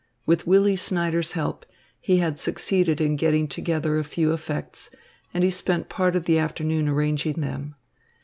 With Willy Snyders' help, he had succeeded in getting together a few effects, and he spent part of the afternoon arranging them.